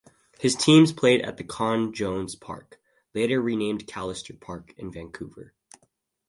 His teams played at the Con Jones Park (later renamed Callister Park) in Vancouver.